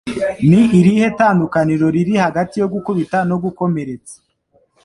Ni irihe tandukaniro riri hagati yo gukubita no gukomeretsa